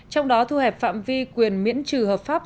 trong đó thu hẹp phạm vi quyền miễn trừ hợp pháp